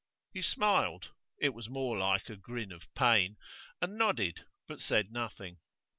He smiled (it was more like a grin of pain) and nodded, but said nothing.